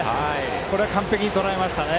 これは完璧にとらえましたね。